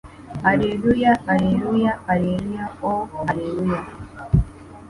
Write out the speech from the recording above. r/ allelua, allelua, allelua oh () alle-e-lua